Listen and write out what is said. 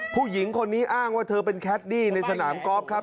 ผู้หญิงคนนี้อ้างว่าเธอเป็นแคดดี้ในสนามกอล์ฟครับ